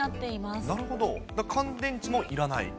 乾電池もいらない？